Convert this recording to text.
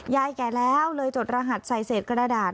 แก่แล้วเลยจดรหัสใส่เศษกระดาษ